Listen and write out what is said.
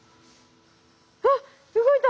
あっ動いた。